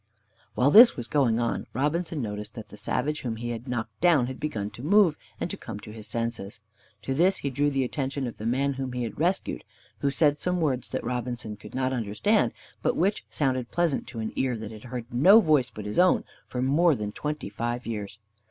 While this was going on, Robinson noticed that the savage whom he had knocked down had begun to move, and to come to his senses. To this he drew the attention of the man whom he had rescued, who said some words that Robinson could not understand, but which sounded pleasant to an ear that had heard no voice but his own for more than twenty five years.